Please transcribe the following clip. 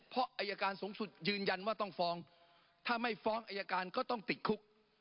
เพราะอายการสูงสุดยืนยันว่าต้องฟ้องถ้าไม่ฟ้องอายการก็ต้องติดคุก